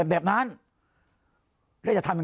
เสียชีวิต